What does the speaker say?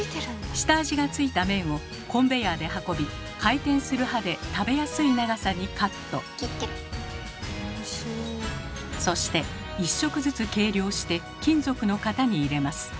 下味がついた麺をコンベヤーで運び回転する刃でそして一食ずつ計量して金属の型に入れます。